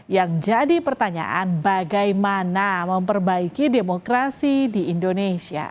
yang jadi pertanyaan bagaimana memperbaiki demokrasi di indonesia